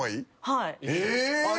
はい。